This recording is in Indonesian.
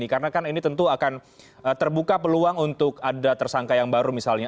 karena kan ini tentu akan terbuka peluang untuk ada tersangka yang baru misalnya